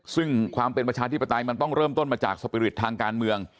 ซึ่งความเป็นประชาธิปไตยมันต้องเริ่มต้นมาจากสปิริตทางการเมือง